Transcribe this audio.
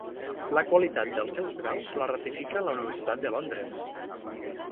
La qualitat dels seus graus la ratifica la Universitat de Londres.